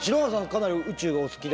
かなり宇宙がお好きで？